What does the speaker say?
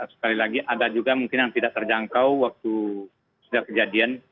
sekali lagi ada juga mungkin yang tidak terjangkau waktu sudah kejadian